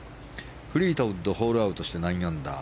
フリートウッドホールアウトして９アンダー。